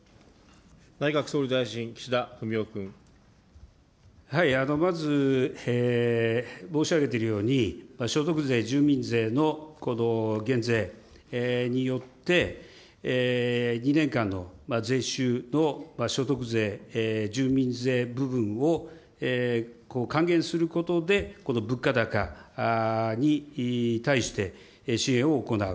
内閣総理大臣、まず、申し上げているように、所得税、住民税の減税によって、２年間の税収の所得税、住民税部分を還元することで、この物価高に対して支援を行う。